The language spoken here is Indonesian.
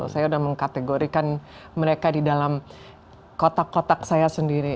saya sudah mengkategorikan mereka di dalam kotak kotak saya sendiri